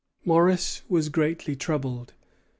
Morris was greatly troubled.